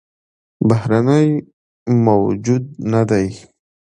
بهرنى موجود نه دى